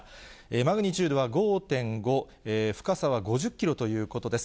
マグニチュードは５．５、深さは５０キロということです。